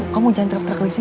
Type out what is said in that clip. kamu jangan terak terak disini